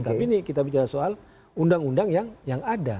tapi ini kita bicara soal undang undang yang ada